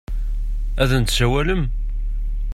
Ad n-tsawalem?